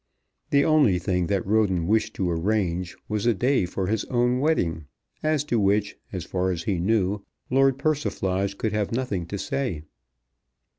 The only thing that Roden wished to arrange was a day for his own wedding, as to which, as far as he knew, Lord Persiflage could have nothing to say.